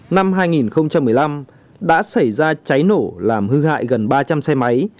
năm hai nghìn một mươi năm đã xảy ra cháy nổ làm hư hại gần ba trăm linh xe máy